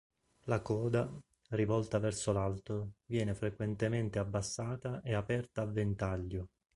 La coda, rivolta verso l'alto, viene frequentemente abbassata e aperta a ventaglio.